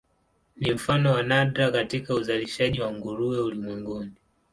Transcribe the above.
Ni mfano wa nadra katika uzalishaji wa nguruwe ulimwenguni.